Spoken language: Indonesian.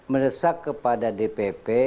menesak kepada dpp